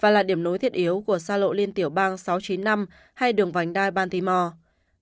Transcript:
và là điểm nối thiết yếu của xa lộ liên tiểu bang sáu trăm chín mươi năm hay đường vành đai baltimore